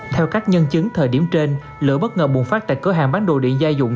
theo các nhân chứng thời điểm trên lửa bất ngờ bùng phát tại cửa hàng bán đồ điện gia dụng